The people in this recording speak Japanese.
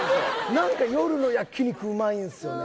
何か夜の焼肉うまいんすよね